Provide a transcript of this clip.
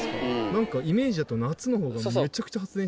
なんかイメージだと夏の方がめちゃくちゃ発電しそうですけど。